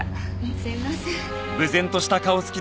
すいません。